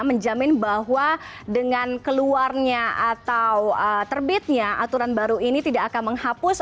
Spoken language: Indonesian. menjamin bahwa dengan keluarnya atau terbitnya aturan baru ini tidak akan menghapus